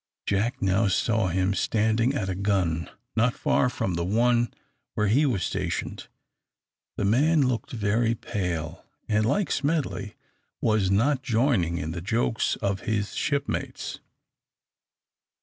Jack now saw him standing at a gun not far from the one where he was stationed. The man looked very pale, and, like Smedley, was not joining in the jokes of his shipmates.